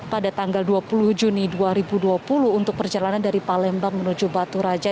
pada tanggal dua puluh juni dua ribu dua puluh untuk perjalanan dari palembang menuju batu raja